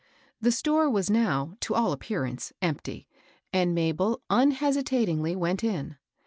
The store was now, to all appearance, empty, and Mabel unhesitatingly went in.